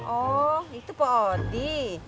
oh itu pak odi